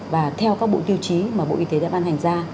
và theo các bộ tiêu chí mà bộ y tế đã ban hành ra